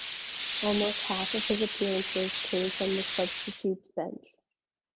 Almost half of his appearances came from the substitutes bench.